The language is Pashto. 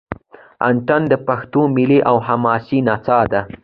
اټن د پښتنو ملي او حماسي نڅا ده.